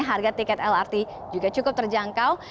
harga tiket lrt juga cukup terjangkau